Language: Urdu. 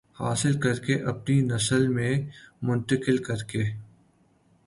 حاصل کر کے اپنی نسل میں منتقل کر کے